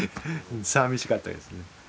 さみしかったですね